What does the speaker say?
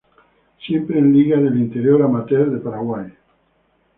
Siempre en Liga del Interior amateur de Paraguay.